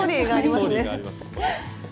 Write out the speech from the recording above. ストーリーがあります。